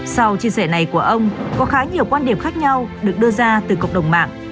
sau chia sẻ này của ông có khá nhiều quan điểm khác nhau được đưa ra từ cộng đồng mạng